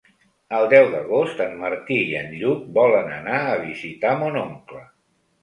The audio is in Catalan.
El deu d'agost en Martí i en Lluc volen anar a visitar mon oncle.